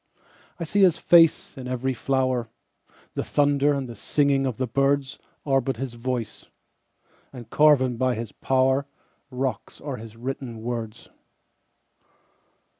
I see his face in every flower; The thunder and the singing of the birdsAre but his voice—and carven by his powerRocks are his written words.